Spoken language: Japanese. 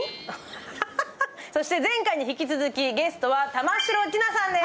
そして前回に引き続き、ゲストは玉城ティナさんです。